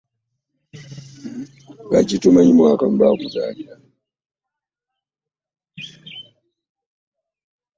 Lwaki tomanyi mwaka mwe bakuzaalira?